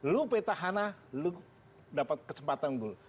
lo petahana lo dapat kesempatan dulu